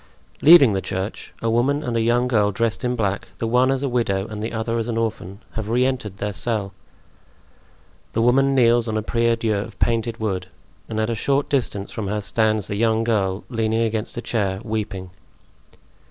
Leaving the church, a woman and a young girl dressed in black, the one as a widow and the other as an orphan, have re entered their cell. The woman kneels on a prie dieu of painted wood and at a short distance from her stands the young girl, leaning against a chair, weeping.